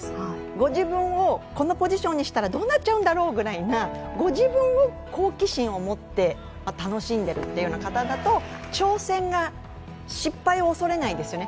ご自分をこのポジションにしたらどうなっちゃうんだろうみたいなご自分を、好奇心を持って楽しんでいる方だと、挑戦が失敗を恐れないんですよね。